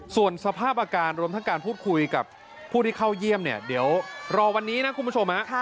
ส่วนสภาพอาการรวมทั้งการพูดคุยกับผู้ที่เข้าเยี่ยมเนี่ยเดี๋ยวรอวันนี้นะคุณผู้ชม